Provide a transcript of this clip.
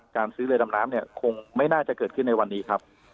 การซื้อเรือดำน้ำเนี่ยคงไม่น่าจะเกิดขึ้นในวันนี้ครับ